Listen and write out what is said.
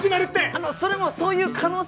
あのそれもそういう可能性が。